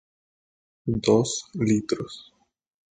dos litro